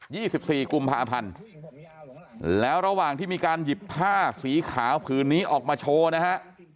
ี่สิบสี่กุมภาพันธ์แล้วระหว่างที่มีการหยิบผ้าสีขาวผืนนี้ออกมาโชว์นะฮะ